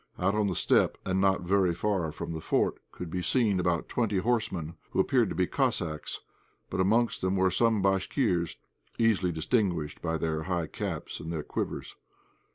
Out on the steppe, and not very far from the fort, could be seen about twenty horsemen, who appeared to be Cossacks; but amongst them were some Bashkirs, easily distinguished by their high caps and their quivers.